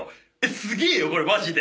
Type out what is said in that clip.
すげえよこれマジで」